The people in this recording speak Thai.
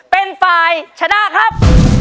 เป็นฝ่ายชนะครับ